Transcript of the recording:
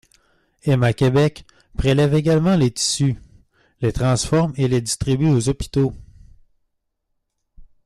Héma-Québec prélève également les tissus, les transforme et les distribue aux hôpitaux.